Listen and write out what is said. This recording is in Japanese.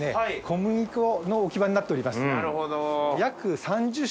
小麦粉の置き場になっております。